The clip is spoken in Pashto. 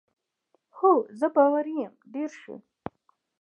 هو، زه باوري یم، ډېر ښه.